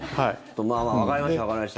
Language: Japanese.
まあまあ、わかりましたわかりました。